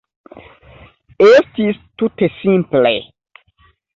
Estis tute simple.